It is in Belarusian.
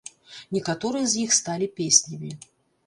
Некаторыя з іх сталі песнямі.